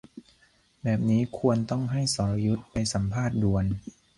แบบนี้ควรต้องให้สรยุทธไปสัมภาษณ์ด่วน